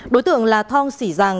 đối tượng là thong sỉ giang